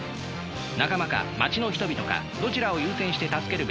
仲間か街の人々かどちらを優先して助けるべきか。